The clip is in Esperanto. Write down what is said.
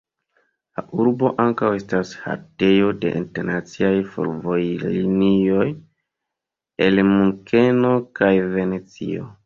La urbo ankaŭ estas haltejo de internaciaj fervojlinioj el Munkeno kaj Venecio.